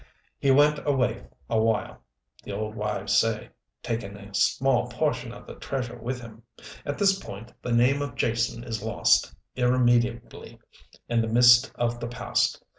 "He went away awhile, the old wives say taking a small portion of the treasure with him. At this point the name of Jason is lost, irremediably, in the mist of the past.